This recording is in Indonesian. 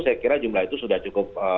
saya kira jumlah itu sudah cukup